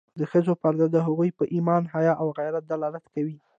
د ښځو پرده د هغوی په ایمان، حیا او غیرت دلالت کوي.